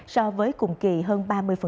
so với cùng kỳ hơn ba mươi